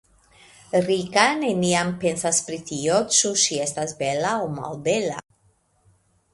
Rika neniam pensas pri tio, ĉu ŝi estas bela aŭ melbela.